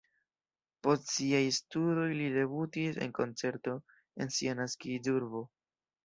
Post siaj studoj li debutis en koncerto en sia naskiĝurbo.